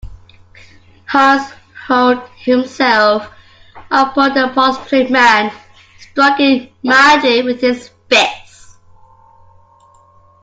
Hans hurled himself upon the prostrate man, striking madly with his fists.